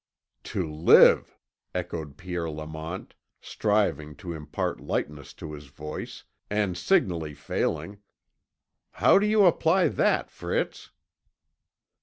"To live!" echoed Pierre Lamont, striving to impart lightness to his voice, and signally failing. "How do you apply that, Fritz?"